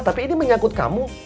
tapi ini menyangkut kamu